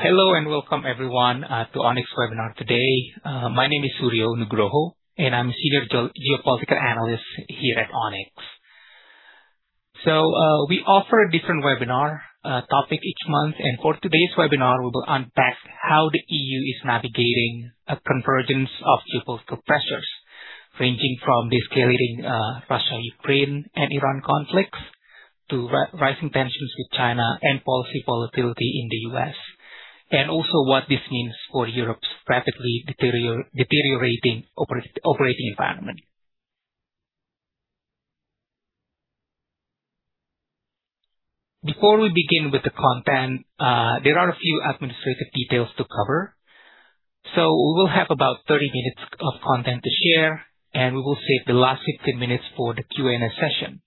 Hello and welcome everyone to Onyx webinar today. My name is Suryo Nugroho, and I'm senior geopolitical analyst here at Onyx. We offer a different webinar topic each month. For today's webinar, we will unpack how the EU is navigating a convergence of geopolitical pressures, ranging from the escalating Russia-Ukraine and Iran conflicts to rising tensions with China and policy volatility in the U.S., and also what this means for Europe's rapidly deteriorating operating environment. Before we begin with the content, there are a few administrative details to cover. We will have about 30 minutes of content to share, and we will save the last 15 minutes for the Q&A session.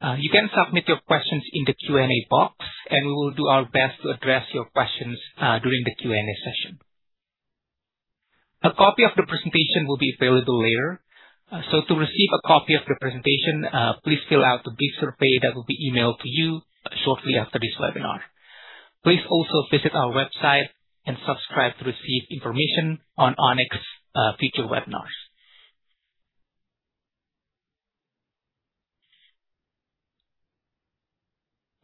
You can submit your questions in the Q&A box, and we will do our best to address your questions during the Q&A session. A copy of the presentation will be available later. To receive a copy of the presentation, please fill out the brief survey that will be emailed to you shortly after this webinar. Please also visit our website and subscribe to receive information on Onyx future webinars.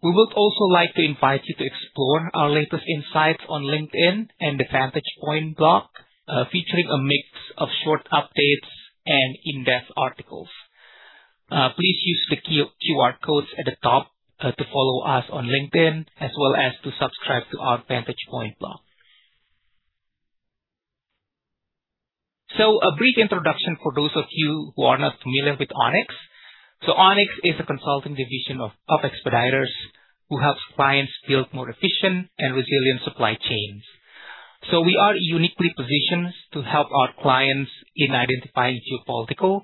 We would also like to invite you to explore our latest insights on LinkedIn and the Vantage Point Blog, featuring a mix of short updates and in-depth articles. Please use the QR codes at the top to follow us on LinkedIn, as well as to subscribe to our Vantage Point Blog. A brief introduction for those of you who are not familiar with Onyx. Onyx is a consulting division of Expeditors who helps clients build more efficient and resilient supply chains. We are uniquely positioned to help our clients in identifying geopolitical,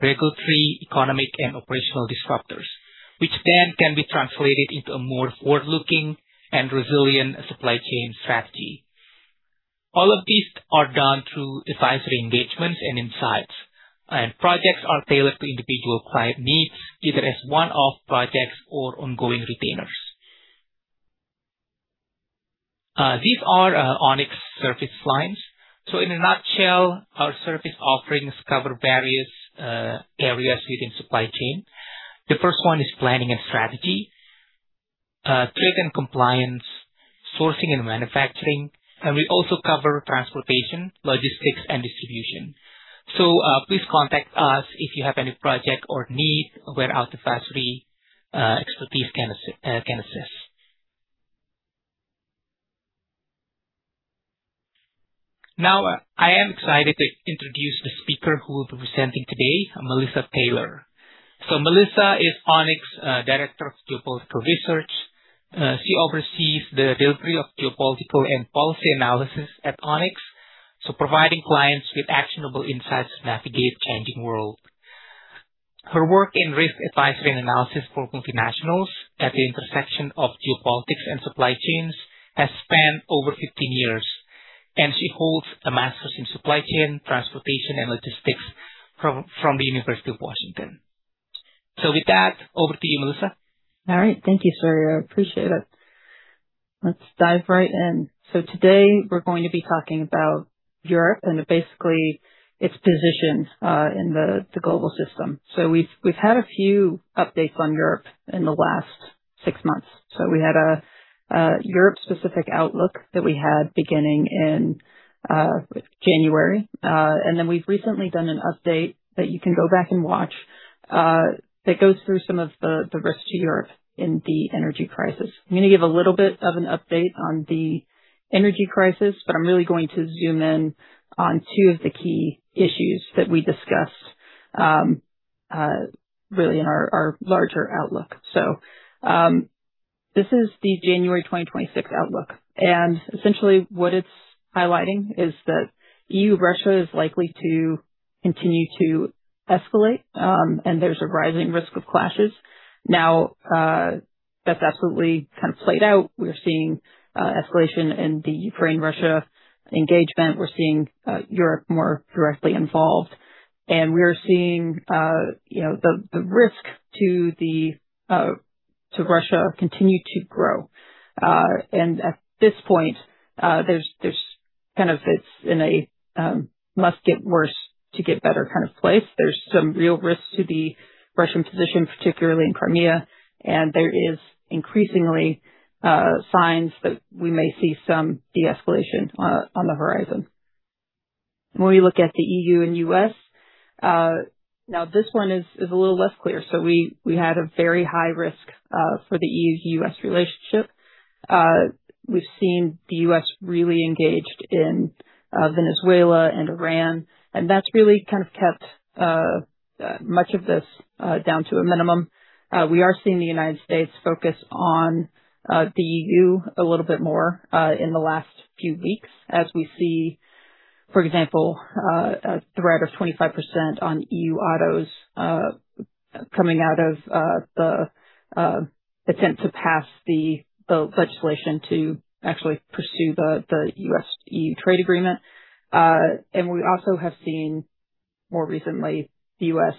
regulatory, economic, and operational disruptors, which then can be translated into a more forward-looking and resilient supply chain strategy. All of these are done through advisory engagements and insights. Projects are tailored to individual client needs, either as one-off projects or ongoing retainers. These are Onyx service lines. In a nutshell, our service offerings cover various areas within supply chain. The first one is planning and strategy, trade and compliance, sourcing and manufacturing, and we also cover transportation, logistics, and distribution. Please contact us if you have any project or need where our advisory expertise can assist. Now, I am excited to introduce the speaker who will be presenting today, Melissa Taylor. Melissa is Onyx Director of Geopolitical Research. She oversees the delivery of geopolitical and policy analysis at Onyx, so providing clients with actionable insights to navigate changing world. Her work in risk advisory and analysis for multinationals at the intersection of geopolitics and supply chains has spanned over 15 years, and she holds a master's in supply chain, transportation, and logistics from the University of Washington. With that, over to you, Melissa. Thank you, Suryo. I appreciate it. Let's dive right in. Today we're going to be talking about Europe and basically its position in the global system. We've had a few updates on Europe in the last six months. We had a Europe-specific outlook that we had beginning in January, and then we've recently done an update that you can go back and watch, that goes through some of the risk to Europe in the energy crisis. I'm going to give a little bit of an update on the energy crisis, but I'm really going to zoom in on two of the key issues that we discussed, really in our larger outlook. This is the January 2026 outlook, and essentially what it's highlighting is that EU-Russia is likely to continue to escalate, and there's a rising risk of clashes. That's absolutely kind of played out. We are seeing escalation in the Ukraine-Russia engagement. We're seeing Europe more directly involved, and we are seeing the risk to Russia continue to grow. At this point, it's in a must get worse to get better kind of place. There's some real risk to the Russian position, particularly in Crimea. There is increasingly signs that we may see some de-escalation on the horizon. When we look at the EU and U.S., this one is a little less clear. We had a very high risk for the EU-U.S. relationship. We've seen the U.S. really engaged in Venezuela and Iran, and that's really kind of kept much of this down to a minimum. We are seeing the United States focus on the EU a little bit more, in the last few weeks as we see, for example, a threat of 25% on EU autos coming out of the attempt to pass the legislation to actually pursue the U.S.-EU trade agreement. We also have seen More recently, the U.S.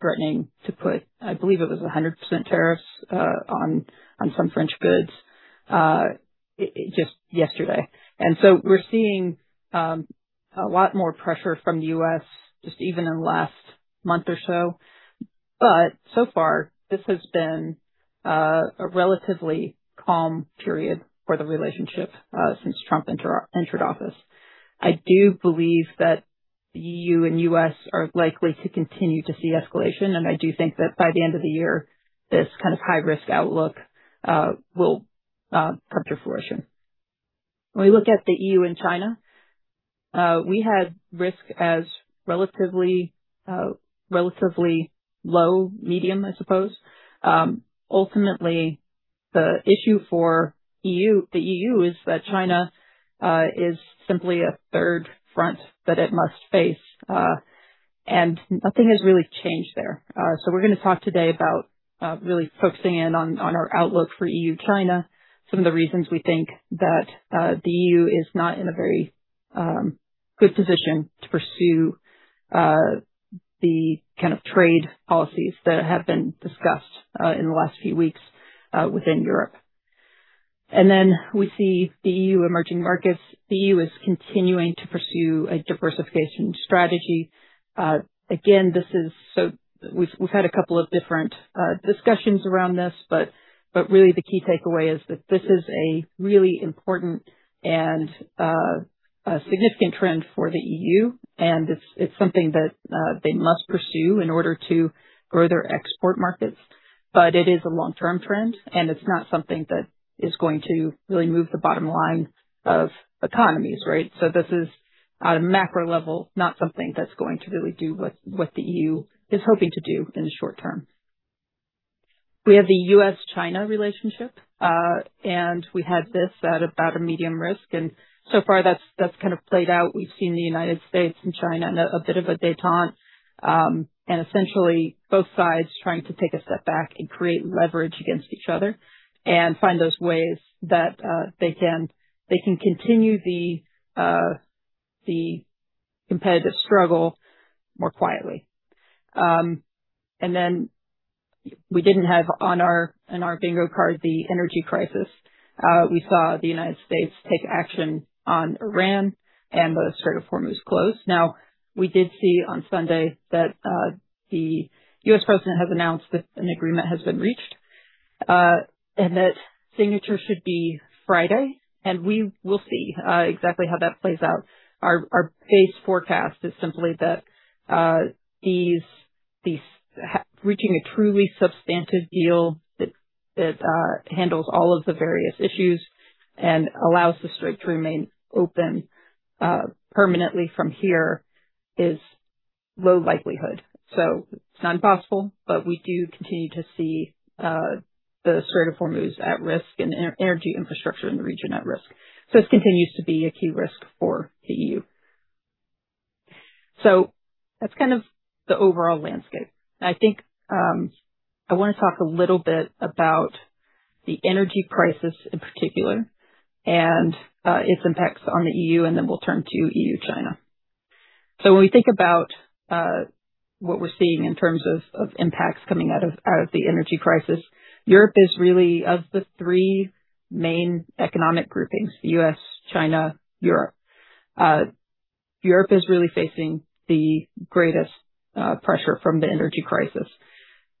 threatening to put, I believe it was 100% tariffs on some French goods just yesterday. We're seeing a lot more pressure from the U.S. just even in the last month or so. So far, this has been a relatively calm period for the relationship since Trump entered office. I do believe that EU and U.S. are likely to continue to see escalation, and I do think that by the end of the year, this kind of high risk outlook will come to fruition. When we look at the EU and China, we had risk as relatively low, medium, I suppose. Ultimately, the issue for the EU is that China is simply a third front that it must face, nothing has really changed there. We're going to talk today about really focusing in on our outlook for EU-China, some of the reasons we think that the EU is not in a very good position to pursue the kind of trade policies that have been discussed in the last few weeks within Europe. Then we see the EU emerging markets. The EU is continuing to pursue a diversification strategy. Again, we've had a couple of different discussions around this, but really the key takeaway is that this is a really important and significant trend for the EU, and it's something that they must pursue in order to grow their export markets. It is a long-term trend, it's not something that is going to really move the bottom line of economies, right? This is on a macro level, not something that's going to really do what the EU is hoping to do in the short term. We have the U.S.-China relationship, we had this at about a medium risk, so far that's kind of played out. We've seen the United States and China in a bit of a détente, essentially both sides trying to take a step back and create leverage against each other and find those ways that they can continue the competitive struggle more quietly. We didn't have in our bingo card the energy crisis. We saw the United States take action on Iran, the Strait of Hormuz close. We did see on Sunday that the U.S. President has announced that an agreement has been reached, that signature should be Friday, we will see exactly how that plays out. Our base forecast is simply that reaching a truly substantive deal that handles all of the various issues and allows the Strait of Hormuz to remain open permanently from here is low likelihood. It's not impossible, but we do continue to see the Strait of Hormuz at risk and energy infrastructure in the region at risk. This continues to be a key risk for the EU. That's kind of the overall landscape. I think I want to talk a little bit about the energy crisis in particular and its impacts on the EU, then we'll turn to EU-China. When we think about what we're seeing in terms of impacts coming out of the energy crisis, Europe is really, of the three main economic groupings, the U.S., China, Europe. Europe is really facing the greatest pressure from the energy crisis.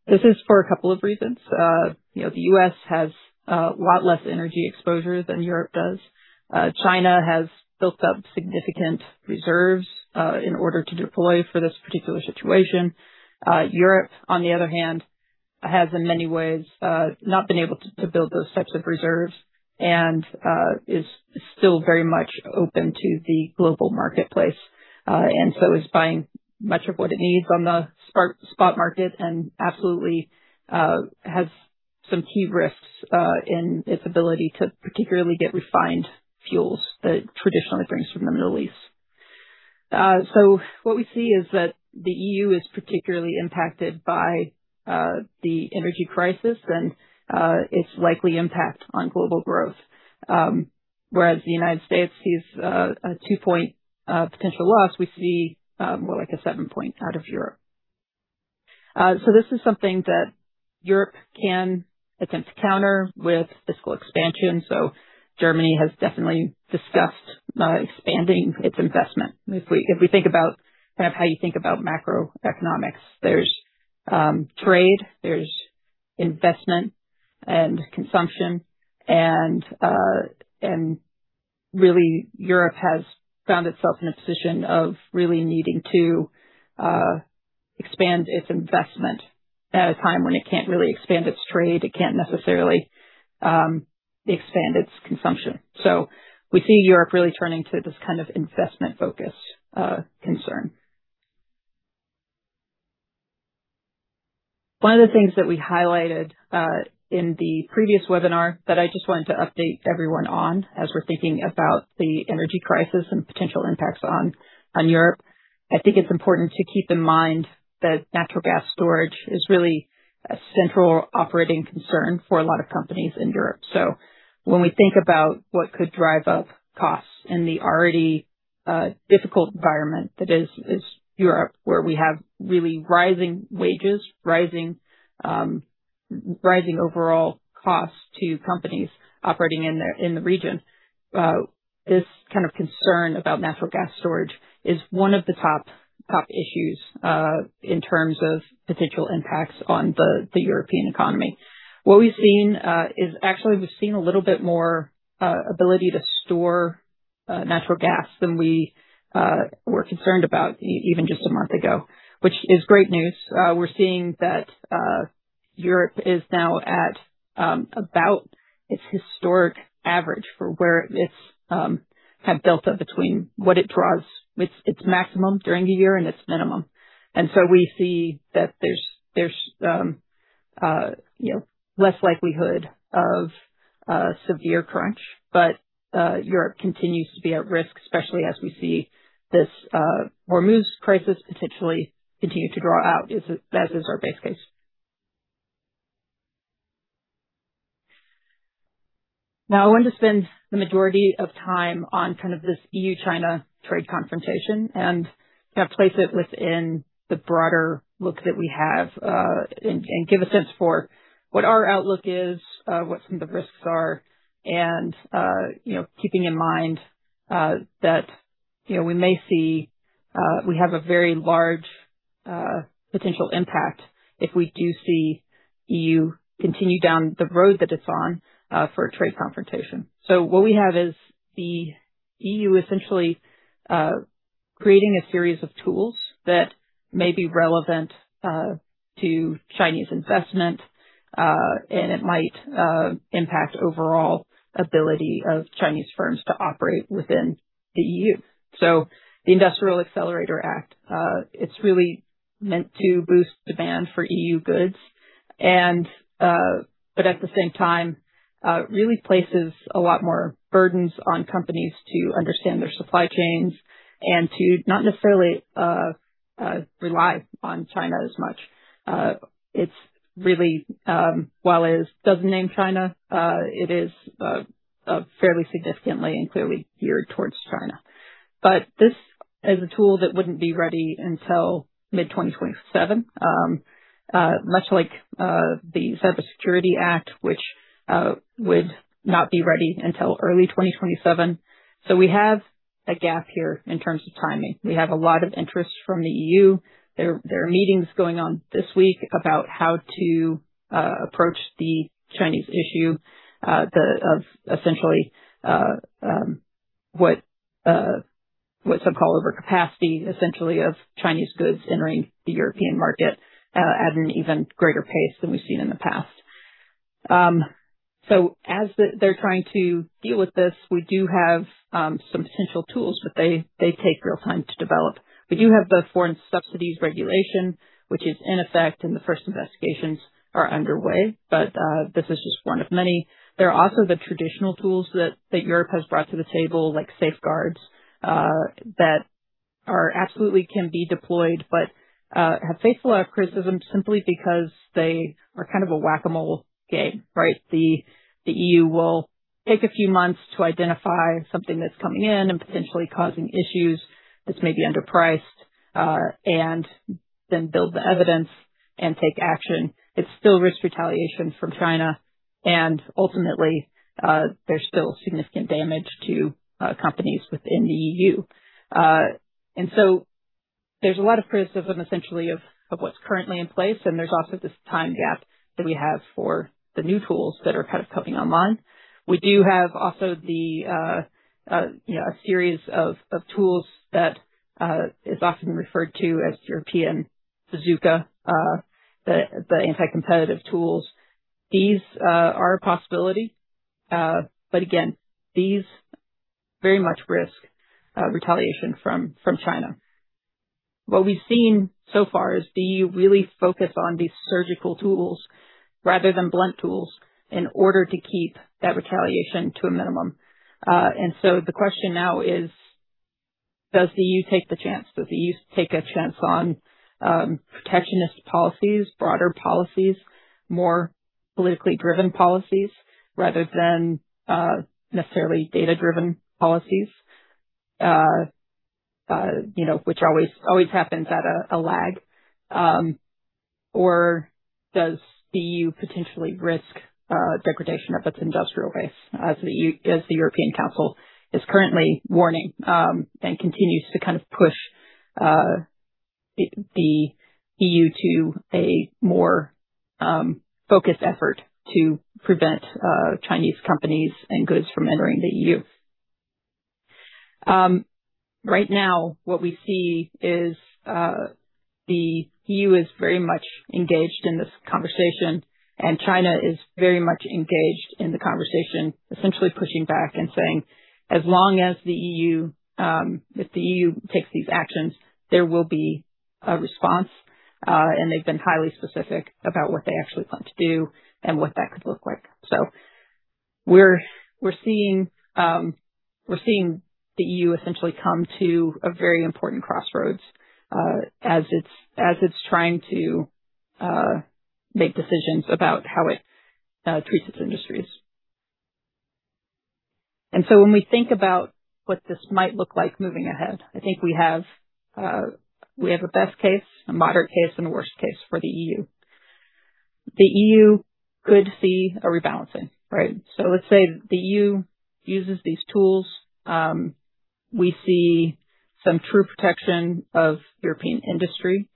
This is for a couple of reasons. The U.S. has a lot less energy exposure than Europe does. China has built up significant reserves in order to deploy for this particular situation. Europe, on the other hand, has in many ways not been able to build those types of reserves and is still very much open to the global marketplace. Is buying much of what it needs on the spot market and absolutely has some key risks in its ability to particularly get refined fuels that it traditionally brings from the Middle East. What we see is that the EU is particularly impacted by the energy crisis and its likely impact on global growth. Whereas the United States sees a 2-point potential loss, we see more like a seven point out of Europe. This is something that Europe can attempt to counter with fiscal expansion. Germany has definitely discussed expanding its investment. If we think about how you think about macroeconomics, there's trade, there's investment, consumption, really, Europe has found itself in a position of really needing to expand its investment at a time when it can't really expand its trade, it can't necessarily expand its consumption. We see Europe really turning to this kind of investment-focused concern. One of the things that we highlighted in the previous webinar that I just wanted to update everyone on as we're thinking about the energy crisis and potential impacts on Europe. I think it's important to keep in mind that natural gas storage is really a central operating concern for a lot of companies in Europe. When we think about what could drive up costs in the already difficult environment that is Europe, where we have really rising wages, Rising overall costs to companies operating in the region. This kind of concern about natural gas storage is one of the top issues in terms of potential impacts on the European economy. What we've seen is actually, a little bit more ability to store natural gas than we were concerned about even just a month ago, which is great news. We're seeing that Europe is now at about its historic average for where it's kind of built up between what it draws, its maximum during the year and its minimum. We see that there's less likelihood of a severe crunch. Europe continues to be at risk, especially as we see this Hormuz crisis potentially continue to draw out, that is our base case. I want to spend the majority of time on this EU-China trade confrontation, and place it within the broader look that we have, and give a sense for what our outlook is, what some of the risks are, and keeping in mind that we have a very large potential impact if we do see EU continue down the road that it's on for a trade confrontation. What we have is the EU essentially creating a series of tools that may be relevant to Chinese investment, and it might impact overall ability of Chinese firms to operate within the EU. The Industrial Accelerator Act, it's really meant to boost demand for EU goods, but at the same time, really places a lot more burdens on companies to understand their supply chains and to not necessarily rely on China as much. While it doesn't name China, it is fairly significantly and clearly geared towards China. This is a tool that wouldn't be ready until mid-2027. Much like the Cyber Resilience Act, which would not be ready until early 2027. We have a gap here in terms of timing. We have a lot of interest from the EU. There are meetings going on this week about how to approach the Chinese issue of essentially what some call overcapacity, essentially of Chinese goods entering the European market at an even greater pace than we've seen in the past. As they're trying to deal with this, we do have some potential tools, but they take real time to develop. We do have the Foreign Subsidies Regulation, which is in effect, and the first investigations are underway. This is just one of many. There are also the traditional tools that Europe has brought to the table, like safeguards, that absolutely can be deployed, but have faced a lot of criticism simply because they are kind of a whack-a-mole game, right? The EU will take a few months to identify something that's coming in and potentially causing issues that's maybe underpriced, and then build the evidence and take action. It still risks retaliation from China, and ultimately, there's still significant damage to companies within the EU. There's a lot of criticism essentially of what's currently in place, and there's also this time gap that we have for the new tools that are kind of coming online. We do have also a series of tools that is often referred to as European Bazooka, the anti-competitive tools. These are a possibility, but again, these very much risk retaliation from China. What we've seen so far is the EU really focus on these surgical tools rather than blunt tools in order to keep that retaliation to a minimum. The question now is, does the EU take the chance? Does the EU take a chance on protectionist policies, broader policies, more politically driven policies, rather than necessarily data-driven policies which always happens at a lag? Does the EU potentially risk degradation of its industrial base as the European Council is currently warning, and continues to push the EU to a more focused effort to prevent Chinese companies and goods from entering the EU? Right now, what we see is the EU is very much engaged in this conversation, and China is very much engaged in the conversation, essentially pushing back and saying, "As long as the EU takes these actions, there will be a response." And they've been highly specific about what they actually plan to do and what that could look like. So we're seeing the EU essentially come to a very important crossroads as it's trying to make decisions about how it treats its industries. When we think about what this might look like moving ahead, I think we have a best case, a moderate case, and a worst case for the EU. The EU could see a rebalancing. So let's say the EU uses these tools. We see some true protection of European industry.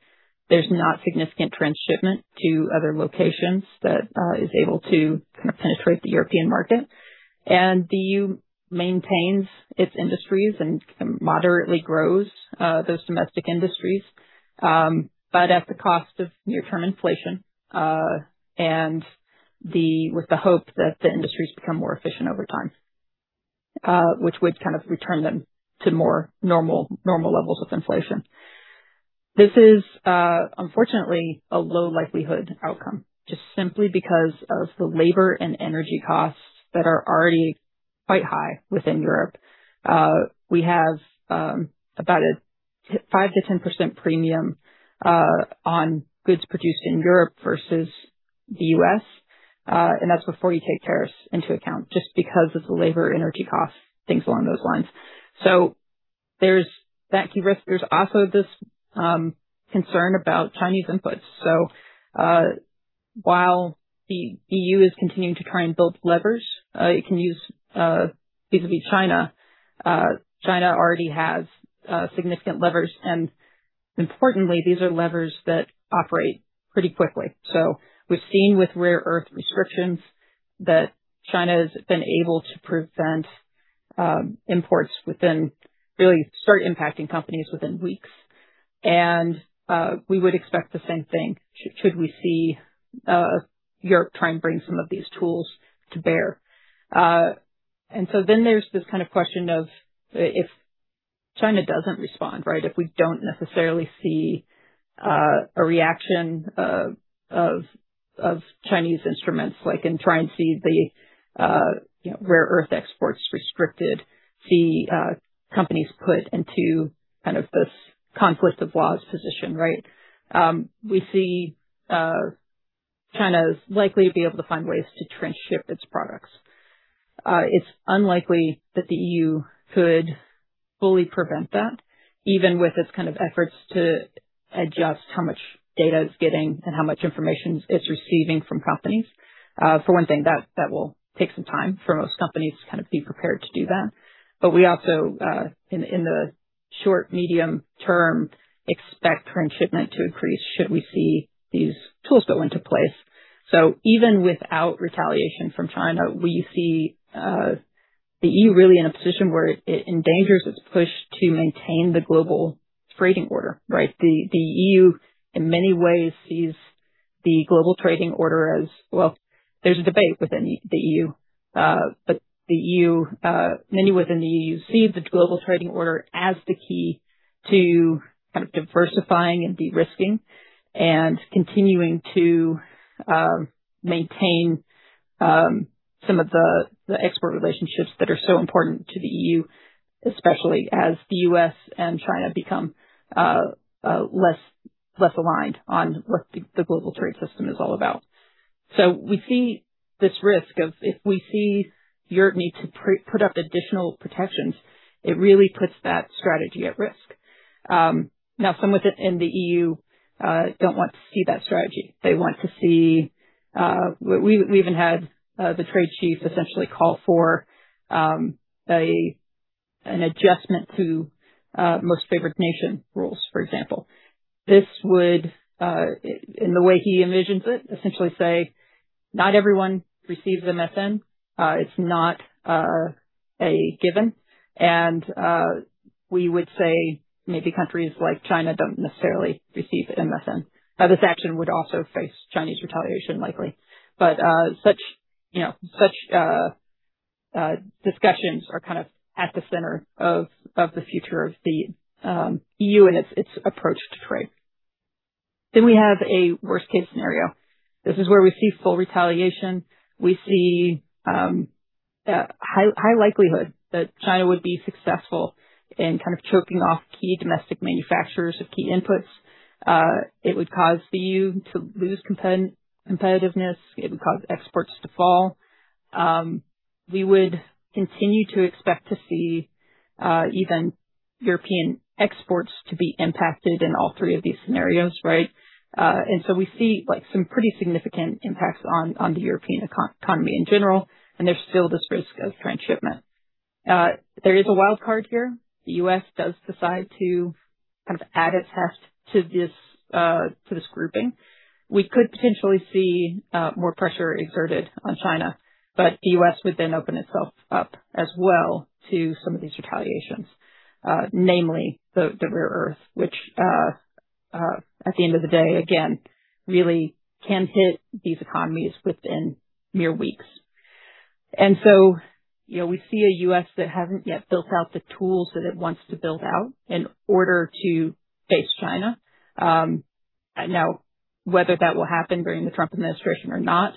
There's not significant transshipment to other locations that is able to penetrate the European market. And the EU maintains its industries and moderately grows those domestic industries, but at the cost of near-term inflation, and with the hope that the industries become more efficient over time, which would return them to more normal levels of inflation. This is unfortunately a low likelihood outcome, just simply because of the labor and energy costs that are already quite high within Europe. We have about a 5%-10% premium on goods produced in Europe versus the U.S., and that's before you take tariffs into account, just because of the labor, energy costs, things along those lines. There's that key risk. There's also this concern about Chinese inputs. While the EU is continuing to try and build levers it can use vis-à-vis China already has significant levers, and importantly, these are levers that operate pretty quickly. So we've seen with rare earth restrictions that China has been able to prevent imports within, really start impacting companies within weeks. And we would expect the same thing should we see Europe try and bring some of these tools to bear. There's this question of if China doesn't respond, if we don't necessarily see a reaction of Chinese instruments, like in try and see the rare earth exports restricted, see companies put into this conflict of laws position. We see China is likely to be able to find ways to transship its products. It's unlikely that the EU could fully prevent that, even with its efforts to adjust how much data it's getting and how much information it's receiving from companies. For one thing, that will take some time for most companies to be prepared to do that. We also in the short, medium term, expect transshipment to increase should we see these tools go into place. Even without retaliation from China, we see the EU really in a position where it endangers its push to maintain the global trading order. The EU, in many ways, sees the global trading order as-- well, there's a debate within the EU, but many within the EU see the global trading order as the key to diversifying and de-risking, and continuing to maintain some of the export relationships that are so important to the EU, especially as the U.S. and China become less aligned on what the global trade system is all about. We see this risk of if we see Europe need to put up additional protections, it really puts that strategy at risk. Some within the EU don't want to see that strategy. We even had the trade chief essentially call for an adjustment to most favored nation rules, for example. This would, in the way he envisions it, essentially say, not everyone receives an MFN. It's not a given. We would say maybe countries like China don't necessarily receive an MFN. This action would also face Chinese retaliation, likely. Such discussions are at the center of the future of the EU and its approach to trade. We have a worst-case scenario. This is where we see full retaliation. We see high likelihood that China would be successful in choking off key domestic manufacturers of key inputs. It would cause the EU to lose competitiveness. It would cause exports to fall. We would continue to expect to see even European exports to be impacted in all three of these scenarios. We see some pretty significant impacts on the European economy in general, and there's still this risk of transshipment. There is a wild card here. The U.S. does decide to add its heft to this grouping. We could potentially see more pressure exerted on China, the U.S. would then open itself up as well to some of these retaliations, namely the rare earths, which at the end of the day, again, really can hit these economies within mere weeks. We see a U.S. that hasn't yet built out the tools that it wants to build out in order to face China. Whether that will happen during the Trump administration or not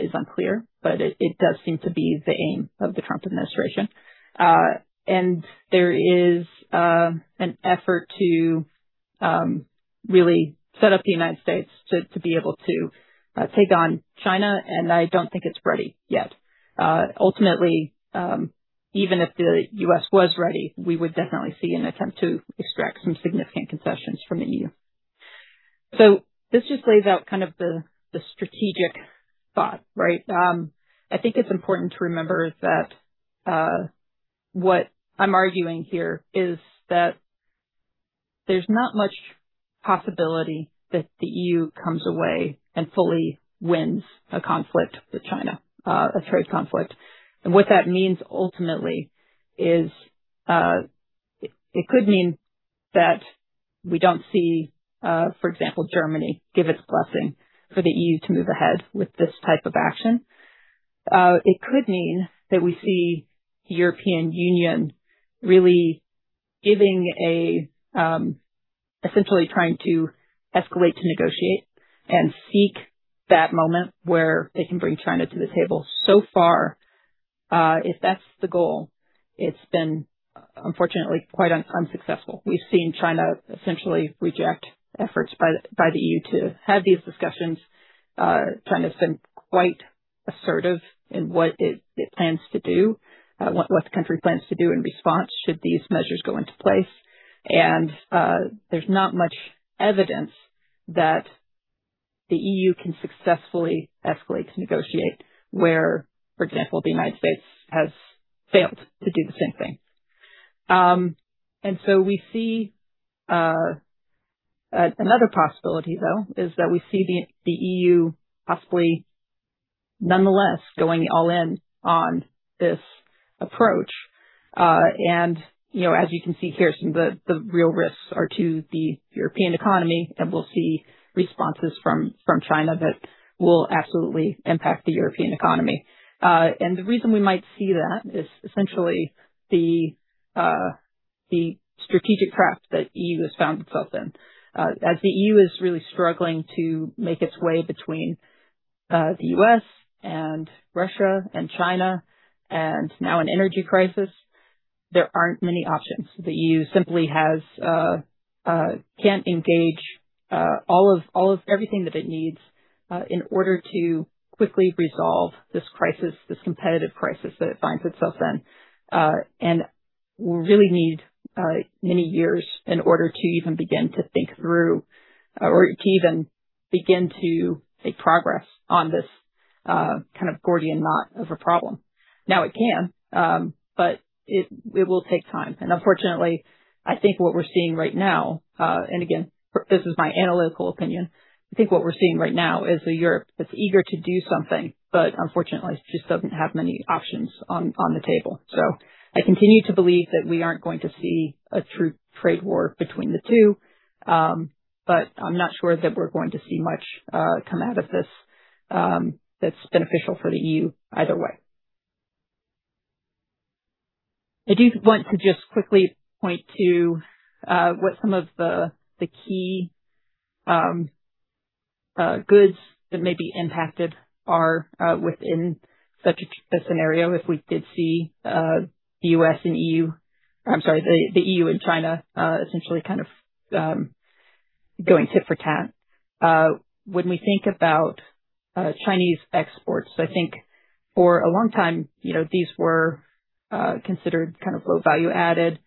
is unclear, but it does seem to be the aim of the Trump administration. There is an effort to really set up the United States to be able to take on China, and I don't think it's ready yet. Ultimately, even if the U.S. was ready, we would definitely see an attempt to extract some significant concessions from the EU. This just lays out kind of the strategic thought, right? I think it's important to remember that what I'm arguing here is that there's not much possibility that the EU comes away and fully wins a conflict with China, a trade conflict. What that means ultimately is it could mean that we don't see, for example, Germany give its blessing for the EU to move ahead with this type of action. It could mean that we see the European Union really essentially trying to escalate to negotiate and seek that moment where they can bring China to the table. Far, if that's the goal, it's been unfortunately quite unsuccessful. We've seen China essentially reject efforts by the EU to have these discussions. China's been quite assertive in what it plans to do, what the country plans to do in response should these measures go into place. There's not much evidence that the EU can successfully escalate to negotiate where, for example, the United States has failed to do the same thing. Another possibility, though, is that we see the EU possibly nonetheless going all in on this approach. As you can see here, some of the real risks are to the European economy, we'll see responses from China that will absolutely impact the European economy. The reason we might see that is essentially the strategic trap that EU has found itself in. As the EU is really struggling to make its way between the U.S. and Russia and China, and now an energy crisis, there aren't many options. The EU simply can't engage everything that it needs in order to quickly resolve this crisis, this competitive crisis that it finds itself in, will really need many years in order to even begin to think through, or to even begin to make progress on this kind of Gordian knot of a problem. Now it can, but it will take time. Unfortunately, I think what we're seeing right now, and again, this is my analytical opinion. I think what we're seeing right now is a Europe that's eager to do something, but unfortunately, it just doesn't have many options on the table. I continue to believe that we aren't going to see a true trade war between the two, but I'm not sure that we're going to see much come out of this that's beneficial for the EU either way. I do want to just quickly point to what some of the key goods that may be impacted are within such a scenario, if we did see the U.S. and EU, I'm sorry, the EU and China essentially kind of going tit-for-tat. When we think about Chinese exports, I think for a long time these were considered low value added.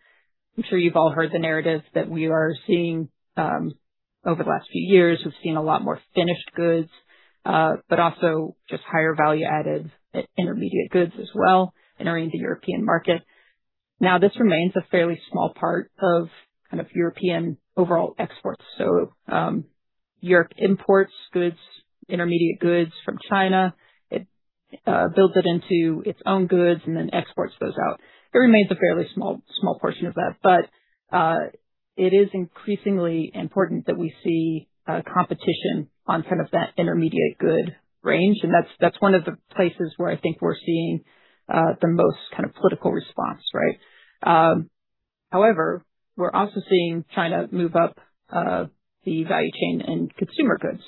I'm sure you've all heard the narrative that we are seeing over the last few years, we've seen a lot more finished goods, but also just higher value added intermediate goods as well entering the European market. This remains a fairly small part of European overall exports. Europe imports intermediate goods from China. It builds it into its own goods and then exports those out. It remains a fairly small portion of that. It is increasingly important that we see competition on that intermediate good range, that's one of the places where I think we're seeing the most political response, right? However, we're also seeing China move up the value chain in consumer goods.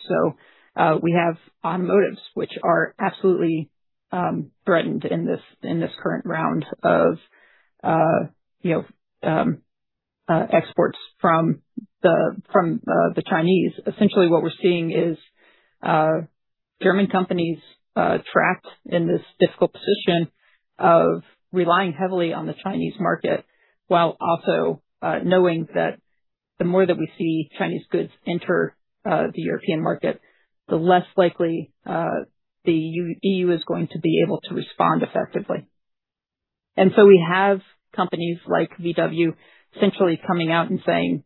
We have automotives which are absolutely threatened in this current round of exports from the Chinese. Essentially what we're seeing is German companies trapped in this difficult position of relying heavily on the Chinese market, while also knowing that the more that we see Chinese goods enter the European market, the less likely the EU is going to be able to respond effectively. We have companies like VW essentially coming out and saying,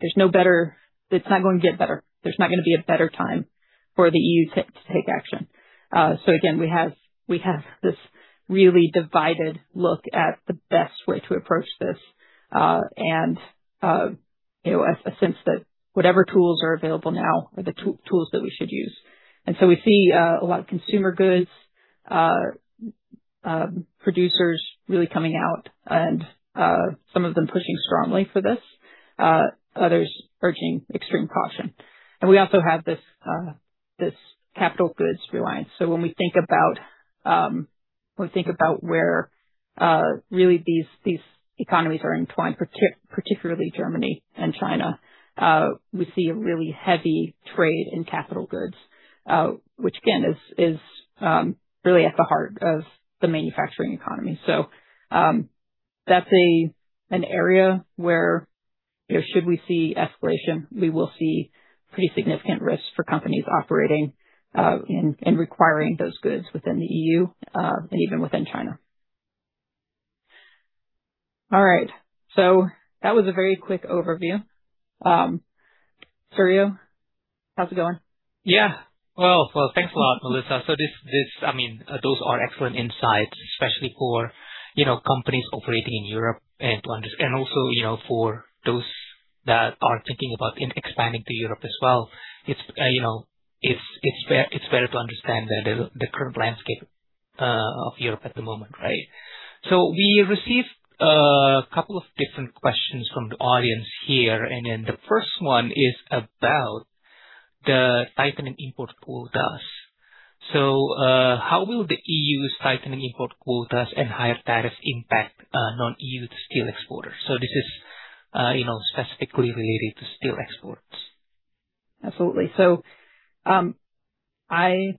"It's not going to get better. There's not going to be a better time for the EU to take action." Again, we have this really divided look at the best way to approach this, and a sense that whatever tools are available now are the tools that we should use. We see a lot of consumer goods producers really coming out, and some of them pushing strongly for this, others urging extreme caution. We also have this capital goods reliance. When we think about where really these economies are entwined, particularly Germany and China, we see a really heavy trade in capital goods, which again, is really at the heart of the manufacturing economy. That's an area where should we see escalation, we will see pretty significant risks for companies operating and requiring those goods within the EU, and even within China. All right. That was a very quick overview. Suryo, how's it going? Yeah. Well, thanks a lot, Melissa. Those are excellent insights, especially for companies operating in Europe, and also for those that are thinking about expanding to Europe as well. It's fair to understand the current landscape of Europe at the moment, right? We received a couple of different questions from the audience here, the first one is about the tightening import quotas. How will the EU's tightening import quotas and higher tariffs impact non-EU steel exporters? This is specifically related to steel exports. Absolutely. I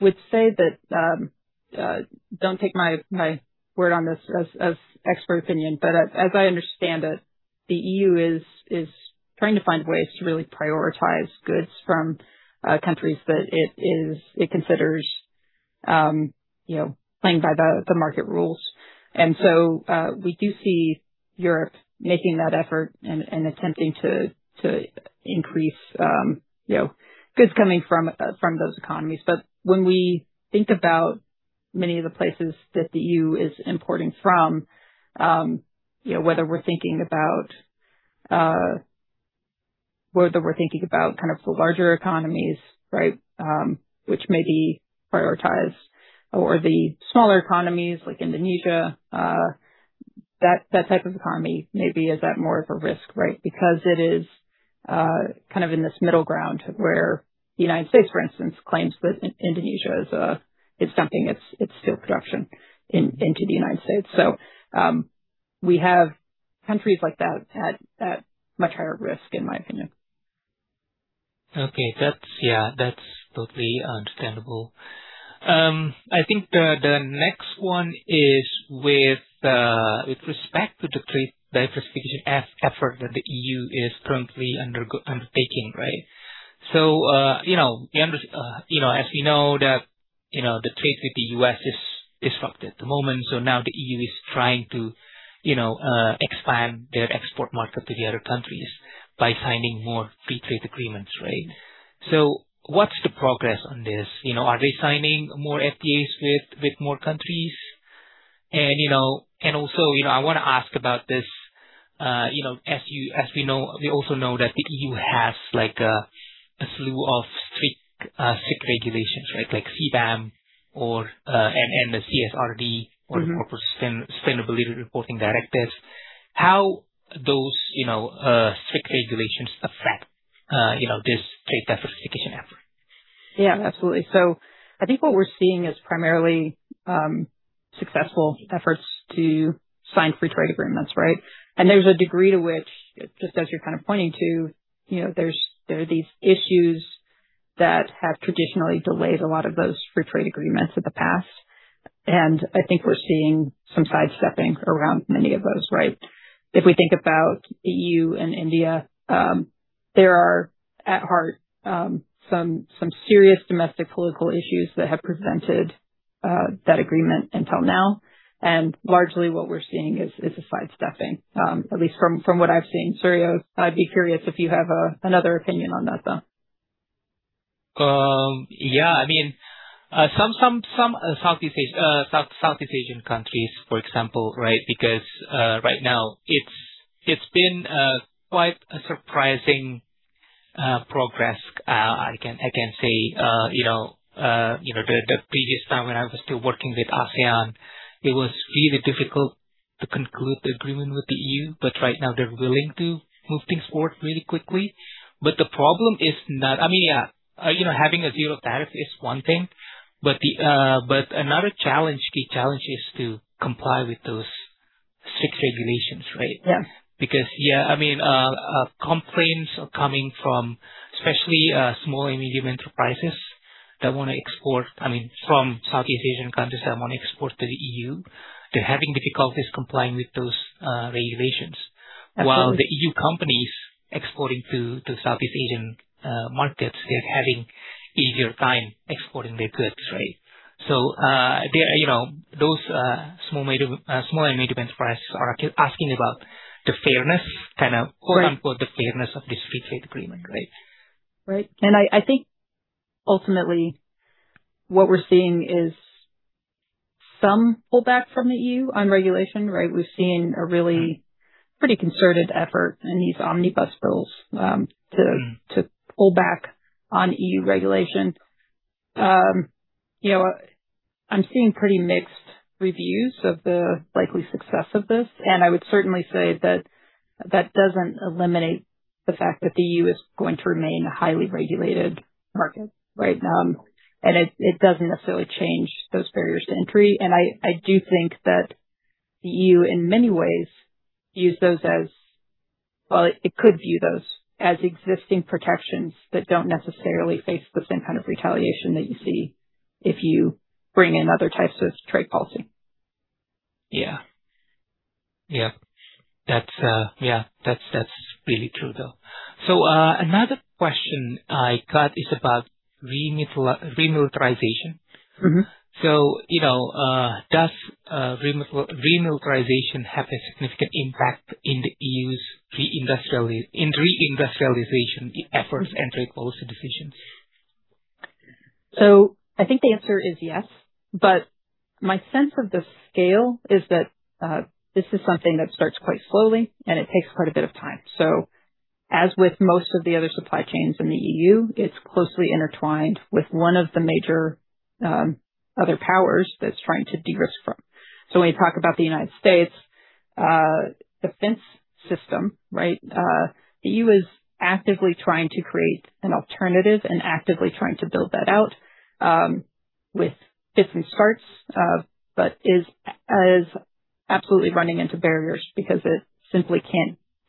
would say that, don't take my word on this as expert opinion, but as I understand it, the EU is trying to find ways to really prioritize goods from countries that it considers playing by the market rules. We do see Europe making that effort and attempting to increase goods coming from those economies. When we think about many of the places that the EU is importing from, whether we're thinking about kind of the larger economies which may be prioritized or the smaller economies like Indonesia, that type of economy maybe is at more of a risk. Because it is kind of in this middle ground where the U.S., for instance, claims that Indonesia is dumping its steel production into the U.S. We have countries like that at much higher risk, in my opinion. Okay. That's totally understandable. I think the next one is with respect to the trade diversification effort that the EU is currently undertaking, right? As we know, the trade with the U.S. is disrupted at the moment. Now the EU is trying to expand their export market to the other countries by signing more Free Trade Agreements. What's the progress on this? Are they signing more FTAs with more countries? I want to ask about this, as we also know that the EU has a slew of strict regulations, like CBAM and the CSRD- Corporate Sustainability Reporting Directive. How those strict regulations affect this trade diversification effort. Yeah, absolutely. I think what we're seeing is primarily successful efforts to sign Free Trade Agreements. There's a degree to which, just as you're kind of pointing to, there are these issues that have traditionally delayed a lot of those Free Trade Agreements in the past. I think we're seeing some sidestepping around many of those. If we think about EU and India, there are at heart some serious domestic political issues that have prevented that agreement until now. Largely what we're seeing is a sidestepping, at least from what I've seen. Suryo, I'd be curious if you have another opinion on that though. Yeah. Some Southeast Asian countries, for example. Right now it's been quite a surprising progress. I can say the previous time when I was still working with ASEAN, it was really difficult to conclude the agreement with the EU, but right now they're willing to move things forward really quickly. The problem is not-- Having a zero tariff is one thing, but another key challenge is to comply with those strict regulations, right? Yes. Complaints are coming from especially small and medium enterprises that want to export from Southeast Asian countries that want to export to the EU. They're having difficulties complying with those regulations. Absolutely. While the EU companies exporting to Southeast Asian markets, they're having easier time exporting their goods. Those small and medium enterprises are asking about the fairness. Right quote-unquote, "the fairness of this Free Trade Agreement. Right. I think ultimately what we're seeing is some pull back from the EU on regulation. We've seen a really pretty concerted effort in these omnibus bills to pull back on EU regulation. I'm seeing pretty mixed reviews of the likely success of this. I would certainly say that doesn't eliminate the fact that the EU is going to remain a highly regulated market, right? It doesn't necessarily change those barriers to entry. I do think that the EU, in many ways, could view those as existing protections that don't necessarily face the same kind of retaliation that you see if you bring in other types of trade policy. Yeah. That's really true, though. Another question I got is about remilitarization. Does remilitarization have a significant impact in the EU's reindustrialization efforts and trade policy decisions? I think the answer is yes. My sense of the scale is that this is something that starts quite slowly, and it takes quite a bit of time. As with most of the other supply chains in the EU, it's closely intertwined with one of the major other powers that it's trying to de-risk from. When you talk about the U.S., defense system, right? The EU is actively trying to create an alternative and actively trying to build that out with different starts, but is absolutely running into barriers because it simply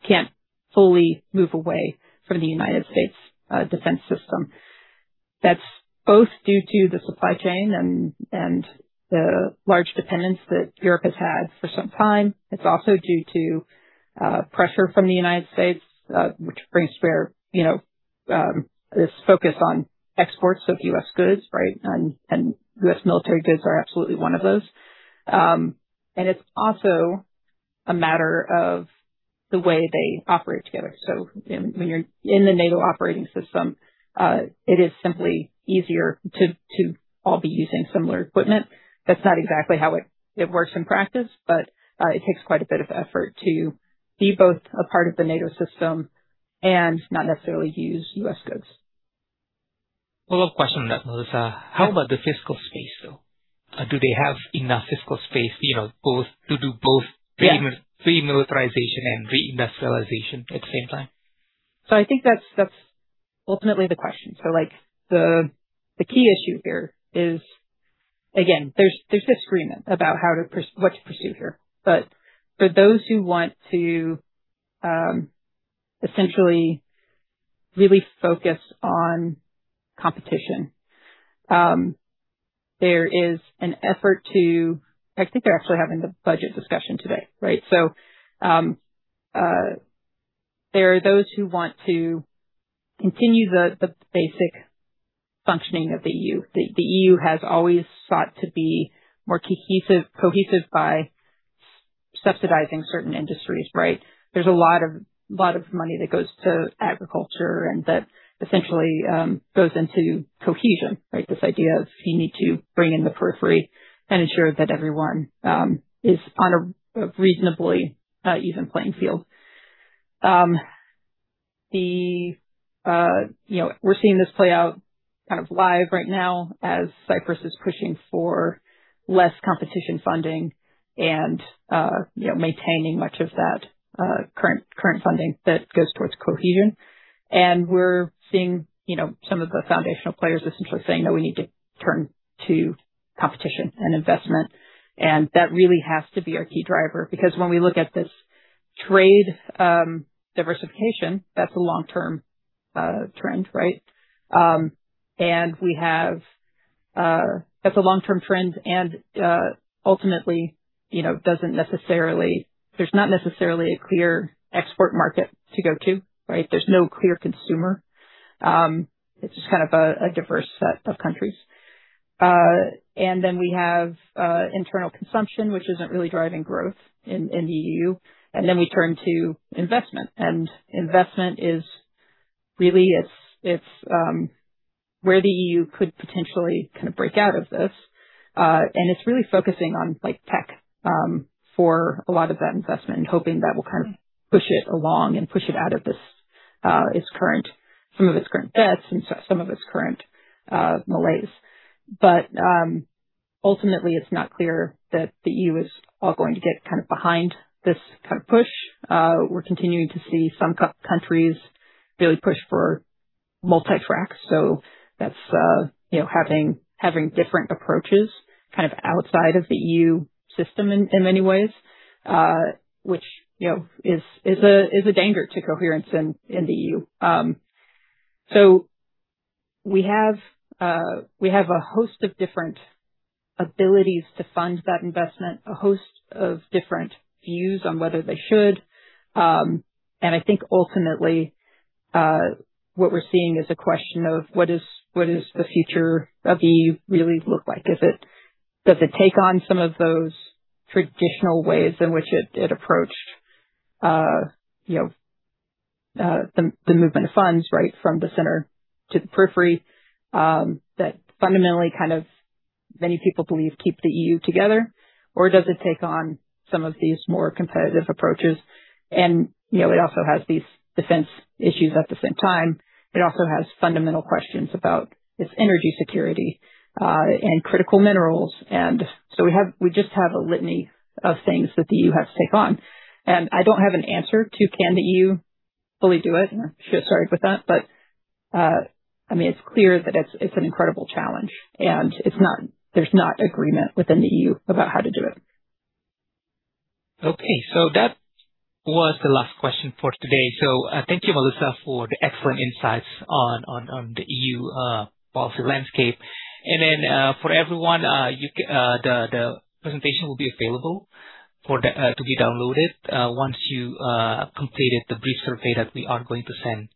can't fully move away from the U.S. defense system. That's both due to the supply chain and the large dependence that Europe has had for some time. It's also due to pressure from the U.S., which brings this focus on exports of U.S. goods, right? U.S. military goods are absolutely one of those. It's also a matter of the way they operate together. When you're in the NATO operating system, it is simply easier to all be using similar equipment. That's not exactly how it works in practice, but it takes quite a bit of effort to be both a part of the NATO system and not necessarily use U.S. goods. Follow-up question on that, Melissa. Yeah. How about the fiscal space, though? Do they have enough fiscal space to do both- Yeah remilitarization and reindustrialization at the same time? I think that's ultimately the question. The key issue here is, again, there's disagreement about what to pursue here. For those who want to essentially really focus on competition, there is an effort to I think they're actually having the budget discussion today, right? There are those who want to continue the basic functioning of the EU. The EU has always sought to be more cohesive by subsidizing certain industries, right? There's a lot of money that goes to agriculture and that essentially goes into cohesion, right? This idea of you need to bring in the periphery and ensure that everyone is on a reasonably even playing field. We're seeing this play out live right now as Cyprus is pushing for less competition funding and maintaining much of that current funding that goes towards cohesion. We're seeing some of the foundational players essentially saying that we need to turn to competition and investment, and that really has to be our key driver, because when we look at this trade diversification, that's a long-term trend, right? That's a long-term trend and ultimately, there's not necessarily a clear export market to go to, right? There's no clear consumer. It's just a diverse set of countries. Then we have internal consumption, which isn't really driving growth in the EU, and then we turn to investment. Investment is really where the EU could potentially break out of this. It's really focusing on tech for a lot of that investment and hoping that will push it along and push it out of some of its current debts and some of its current malaise. Ultimately, it's not clear that the EU is all going to get behind this push. We're continuing to see some countries really push for multi-track. That's having different approaches outside of the EU system in many ways, which is a danger to coherence in the EU. We have a host of different abilities to fund that investment, a host of different views on whether they should. I think ultimately, what we're seeing is a question of what does the future of the EU really look like? Does it take on some of those traditional ways in which it approached the movement of funds, right? From the center to the periphery, that fundamentally many people believe keep the EU together, or does it take on some of these more competitive approaches? It also has these defense issues at the same time. It also has fundamental questions about its energy security, and critical minerals. We just have a litany of things that the EU has to take on. I don't have an answer to can the EU fully do it, and I should have started with that. It's clear that it's an incredible challenge, and there's not agreement within the EU about how to do it. Okay. That was the last question for today. Thank you, Melissa, for the excellent insights on the EU policy landscape. For everyone, the presentation will be available to be downloaded once you completed the brief survey that we are going to send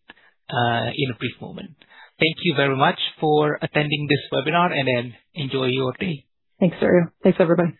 in a brief moment. Thank you very much for attending this webinar, and then enjoy your day. Thanks, Suryo. Thanks, everybody.